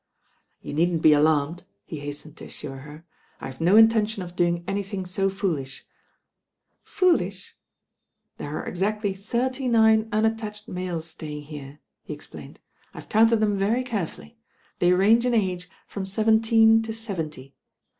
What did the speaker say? "You needn't be alarmed," he hastened to assure her. 'I have no intention of doing anything so foolish," "Foolish I" "There arc exactly thirty nine unattached males staying here," he explained. "I've counted them very carcfuUy. They range in age from seventeen to seventy.